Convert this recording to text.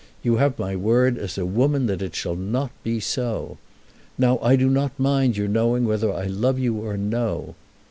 You have my word as a woman that it shall not be so. Now I do not mind your knowing whether I love you or no."